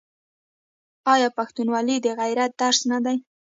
آیا پښتونولي د غیرت درس نه دی؟